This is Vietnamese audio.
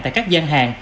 tại các gian hàng